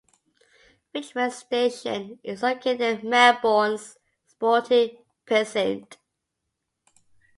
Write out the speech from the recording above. Richmond station is located in Melbourne's sporting precinct.